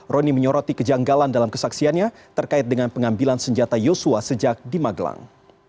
roni menyoroti kejanggalan dalam kesaksiannya terkait dengan pengambilan senjata yosua sejak di magelang